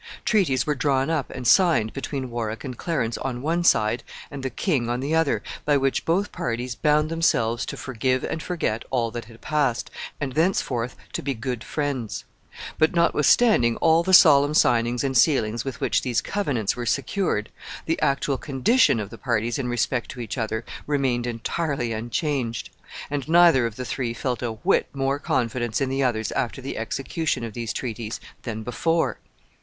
Treaties were drawn up and signed between Warwick and Clarence on one side, and the king on the other, by which both parties bound themselves to forgive and forget all that had passed, and thenceforth to be good friends; but, notwithstanding all the solemn signings and sealings with which these covenants were secured, the actual condition of the parties in respect to each other remained entirely unchanged, and neither of the three felt a whit more confidence in the others after the execution of these treaties than before.